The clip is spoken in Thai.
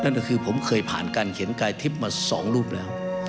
นั่นก็คือผมเคยผ่านการเขียนกายทิพย์มา๒รูปแล้ว